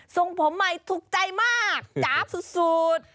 ส่งผมใหม่ถูกใจมากจ๊าบสุด